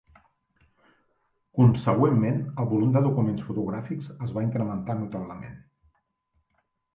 Consegüentment, el volum de documents fotogràfics es va incrementar notablement.